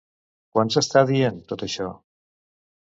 Quan s'està dient, tot això?